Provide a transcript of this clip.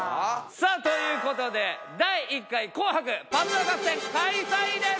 さあということで第１回紅白パズドラ合戦開催です！